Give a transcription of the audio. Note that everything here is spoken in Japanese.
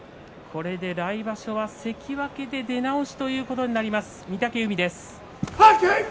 これで来場所は関脇で出直しということになります御嶽海です。